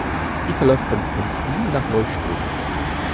Sie verläuft von Penzlin nach Neustrelitz.